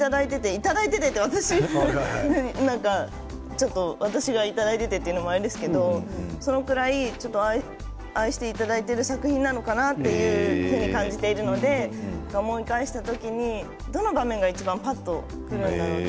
いただいていてって私ちょっとなんか私がいただいてって言うのもなんですけれどそれぐらい愛していただいている作品なのかなっていうふうに感じているので思い返した時に、どの場面がいちばんぱっとくるのかなって。